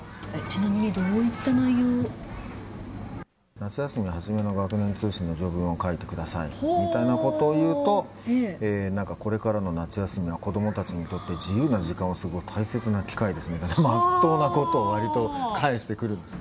夏休み初めの学年通信の序文を書いてくださいみたいなことを言うとこれからの夏休みは子供たちにとって自由な時間を過ごす大切な機会ですねとか割とまっとうなことを返してくるんですね。